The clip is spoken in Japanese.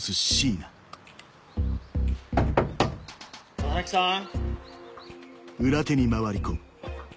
佐々木さん？